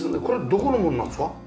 これどこのものなんですか？